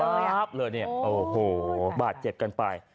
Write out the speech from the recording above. ยับเลยเนี่ยโอ้โหบาดเจ็บกันไป